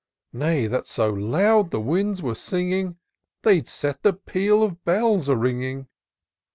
89 Nay, that so loud the winds were singing, They'd set the peal of bells a ringing